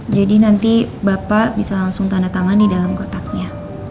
jadi nanti bapak bisa langsung tanda taman di dalam kotaknya